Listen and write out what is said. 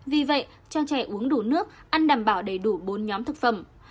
vì vậy cho trẻ uống đủ nước ăn đảm bảo đầy đủ bốn nhóm thực phẩm